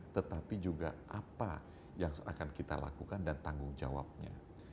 tetapi juga apa yang akan kita lakukan dan tanggung jawabnya